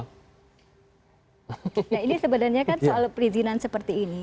nah ini sebenarnya kan soal perizinan seperti ini